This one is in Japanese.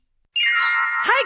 はい！